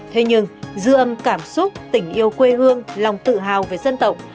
thế nhưng dư âm cảm xúc tình yêu quê hương lòng tự hào về dân tộc